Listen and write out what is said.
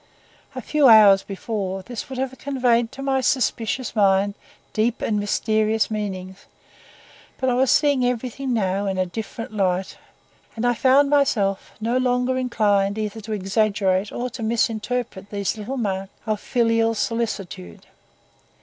A few hours before, this would have conveyed to my suspicious mind deep and mysterious meanings; but I was seeing everything now in a different light, and I found myself no longer inclined either to exaggerate or to misinterpret these little marks of filial solicitude.